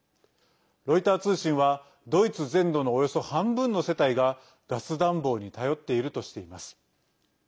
ロイター通信は、ドイツ全土のおよそ半分の世帯がガス暖房に頼っているとしています。